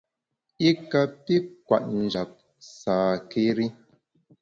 I kapi kwet njap sâkéri.